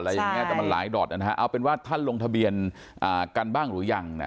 แต่มันหลายดอทเอาเป็นว่าท่านลงทะเบียนกันบ้างหรือยัง